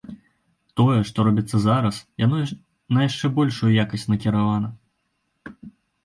Тое, што робіцца зараз, яно на яшчэ большую якасць накіравана.